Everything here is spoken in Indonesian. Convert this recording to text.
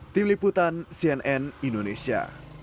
tim liputan cnn indonesia